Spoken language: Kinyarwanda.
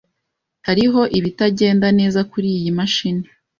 Hariho ibitagenda neza kuriyi mashini.